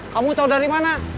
kamu tahu dari mana